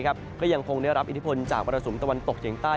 ก็ยังคงได้รับอิทธิพลจากมรสุมตะวันตกเฉียงใต้